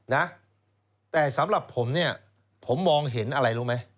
นะแต่สำหรับผมเนี่ยผมมองเห็นอะไรรู้ไหม